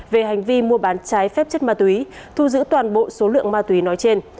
về hành vi mua bán trái phép chất ma túy thu giữ toàn bộ số lượng ma túy nói trên